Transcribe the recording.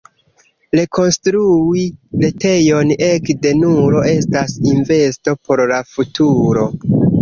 Rekonstrui retejon ekde nulo estas investo por la futuro.